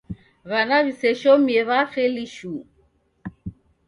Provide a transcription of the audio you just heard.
W'ana w'iseshomie w'afeli shuu.